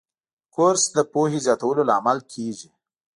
کورس د پوهې زیاتولو لامل کېږي.